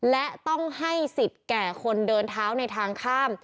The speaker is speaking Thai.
และต้องให้สิทธิ์แก่คนเดินเท้าในทางข้าม